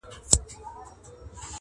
سپیني سپیني مرغلري،